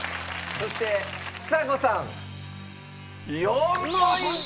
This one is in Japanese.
そしてちさ子さん４ポイント！